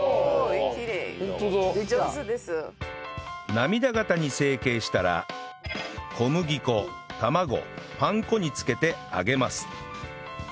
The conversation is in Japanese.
涙形に成形したら小麦粉卵パン粉につけて揚げます